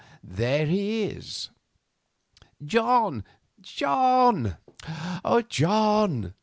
there he is. "John, John, John!"